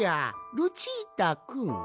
ルチータくん。